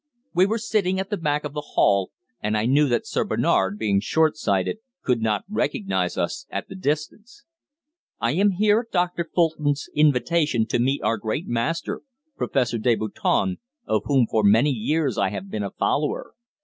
We were sitting at the back of the hall, and I knew that Sir Bernard, being short sighted, could not recognise us at the distance. "I am here at Doctor Fulton's invitation to meet our great master, Professor Deboutin, of whom for many years I have been a follower."